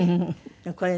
これね。